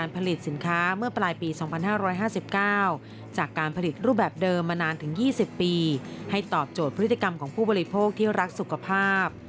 เป็นพิธีกรรมของผู้บริโภคที่รักสุขภาพ